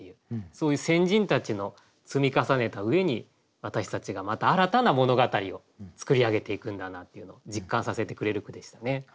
そういう先人たちの積み重ねた上に私たちがまた新たな物語を作り上げていくんだなっていうのを実感させてくれる句でしたね。